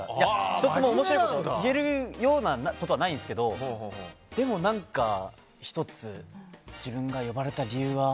１つも面白いこと言えるようなことないんですけどでも何か１つ自分が呼ばれた理由は。